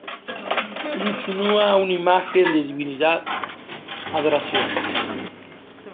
Insinúa una imagen de divinidad, adoración.